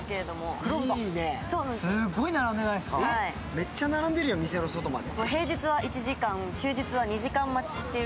めっちゃ並んでるじゃん店の外まで。